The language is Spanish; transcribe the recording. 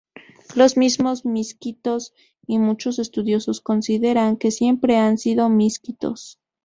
Los mismos misquitos y muchos estudiosos consideran que siempre han sido misquitos.